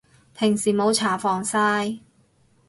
平時冇搽防曬